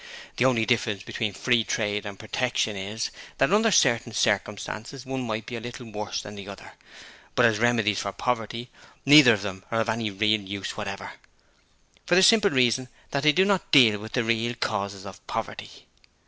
The only difference between Free Trade and Protection is that under certain circumstances one might be a little worse that the other, but as remedies for Poverty, neither of them are of any real use whatever, for the simple reason that they do not deal with the real causes of Poverty.'